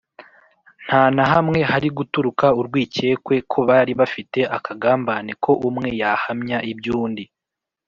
Nta na hamwe hari guturuka urwicyekwe ko bari bafite akagambane ko umwe yahamya iby’undi